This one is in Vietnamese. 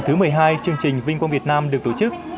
thứ một mươi hai chương trình vinh quang việt nam được tổ chức